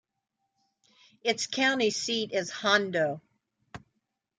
Its county seat is Hondo.